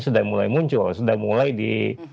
sudah mulai muncul sudah mulai di